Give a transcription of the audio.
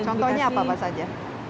contohnya apa saja